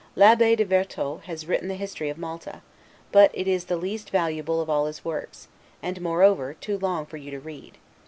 L'Abbe de Vertot has written the history of Malta, but it is the least valuable of all his works; and moreover, too long for you to read.